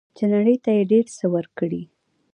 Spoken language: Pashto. چې نړۍ ته یې ډیر څه ورکړي.